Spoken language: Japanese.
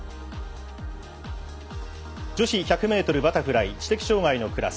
女子１００ｍバタフライ知的障がいのクラス。